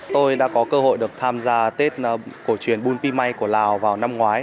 tôi đã có cơ hội được tham gia tết cổ truyền bun pimay của lào vào năm ngoái